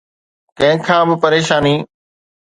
ڪنهن کان به پريشاني